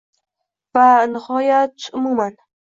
Va nihoyat, umuman...